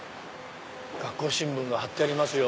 学校新聞が張ってありますよ。